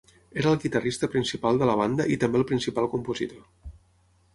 Era el guitarrista principal de la banda i també el principal compositor.